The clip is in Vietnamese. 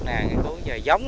nghiên cứu về giống